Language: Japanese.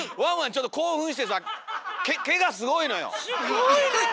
ちょっと興奮してさすごいねえ！